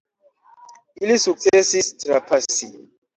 Ili sukcesis trapasi!